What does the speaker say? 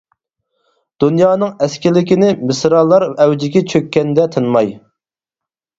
دۇنيانىڭ ئەسكىلىكىنى، مىسرالار ئەۋجىگە چۆككەندە تىنماي.